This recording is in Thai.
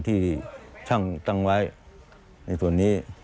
ที่ช่างตั้งไว้ในส่วนนี้